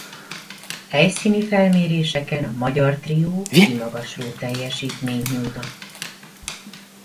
Helyszíni felméréseken a magyar trió kimagasló teljesítményt nyújtott.